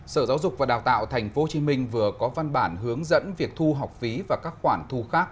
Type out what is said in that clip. sở giáo dục và đào tạo tp hcm vừa có văn bản hướng dẫn việc thu học phí và các khoản thu khác